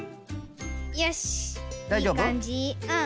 よしいいかんじ。